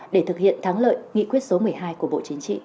để thực hiện thắng lợi nghị quyết số một mươi hai của bộ chính trị